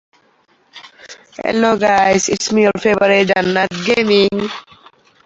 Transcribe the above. খেলোয়াড়ী জীবনের অধিকাংশ সময়ই ঘরোয়া ক্রিকেটের খেলাগুলো ট্রান্সভালের পক্ষে খেলেন।